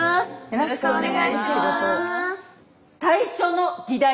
よろしくお願いします。